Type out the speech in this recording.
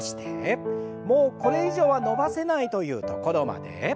もうこれ以上は伸ばせないというところまで。